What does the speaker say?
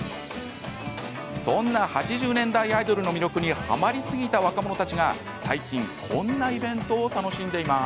そんな８０年代アイドルの魅力にはまりすぎた若者たちが最近こんなイベントを楽しんでいます。